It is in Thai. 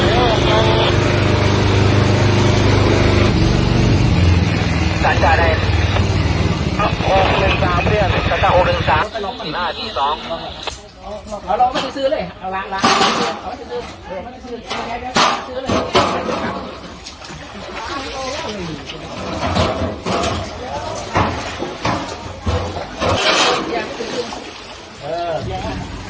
สวัสดีครับ